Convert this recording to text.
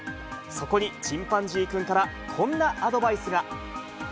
そこに、チンパンジーくんからこんなアドバイスが。